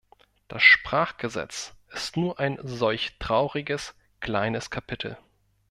Das Sprachgesetz ist nur ein solch trauriges, kleines Kapitel.